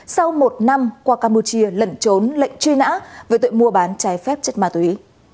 sau một năm qua campuchia lẩn trốn lệnh truy nã về tội mua bán trái phép chất ma túy